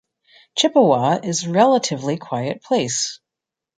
Chippawa is a relatively quiet place.